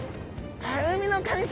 海の神様！